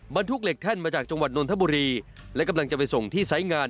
บรรทุกเหล็กแท่นมาจากจังหวัดนทบุรีและกำลังจะไปส่งที่ไซส์งาน